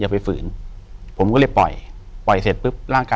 อยู่ที่แม่ศรีวิรัยยิวยวลครับ